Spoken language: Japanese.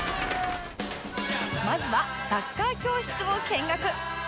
まずはサッカー教室を見学